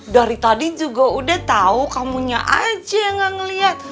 dari tadi juga udah tahu kamunya aja yang gak ngeliat